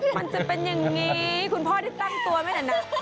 มันจะเป็นอย่างนี้คุณพ่อได้ตั้งตัวไหมล่ะนะ